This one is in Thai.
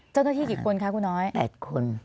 เจ้าหน้าที่กี่คนคะคุณน้อย๘คน